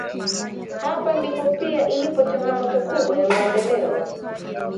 Hapa ndipo pia ilipo changamoto kubwa ya maendeleo